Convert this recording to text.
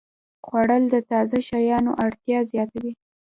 خوړل د تازه شیانو اړتیا زیاتوي